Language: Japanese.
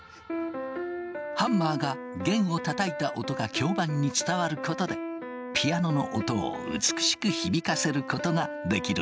ハンマーが弦をたたいた音が響板に伝わることでピアノの音を美しく響かせることができるんだ。